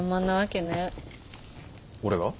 俺が？